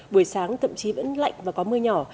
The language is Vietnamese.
buổi sáng tậm chí vẫn lạnh và có mưa nhỏ